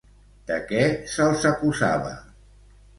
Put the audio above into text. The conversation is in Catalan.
De què se'ls acusava?